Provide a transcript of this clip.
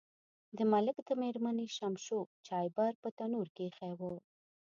د ملک د میرمنې شمشو چایبر په تنور کې ایښی و.